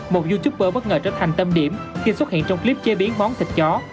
một youtuber bất ngờ trở thành tâm điểm khi xuất hiện trong clip chế biến món thịt chó